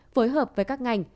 phối hợp với các ngành